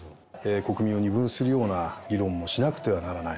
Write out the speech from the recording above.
国民を二分するような議論もしなくてはならない。